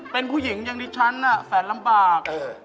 เป็นผู้หญิงอย่างดิฉันแสนลำบาก